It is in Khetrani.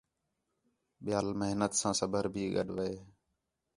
ٻِیال محنت ساں صبر بھی گݙ وے